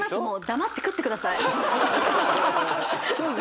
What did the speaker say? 黙って食べてください。